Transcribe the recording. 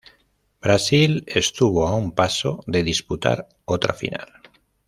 Brasil estuvo a un paso de disputar otra final.